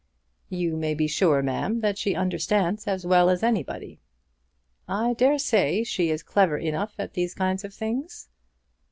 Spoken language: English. "You may be sure, ma'am, that she understands as well as anybody." "I dare say she is clever enough at these kind of things."